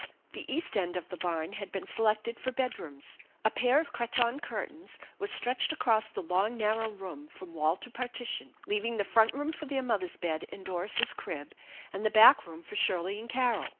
The east end of the barn had been selected for bedrooms. A pair of cretonne curtains was stretched across the long, nar row room from wall to partition, leaving the front room for their mother's bed and Doris's crib, and the back room for Shirley and Carol.